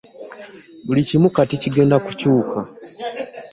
Buli kimu kati kigenda kukyuka.